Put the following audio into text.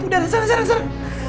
udah disana disana